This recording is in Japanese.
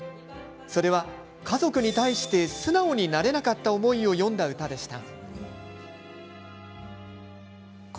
それは、家族に対して素直になれなかった思いを詠んだ歌でした。